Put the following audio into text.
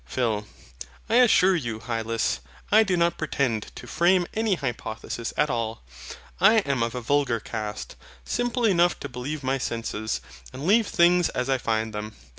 PHIL. I assure you, Hylas, I do not pretend to frame any hypothesis at all. I am of a vulgar cast, simple enough to believe my senses, and leave things as I find them.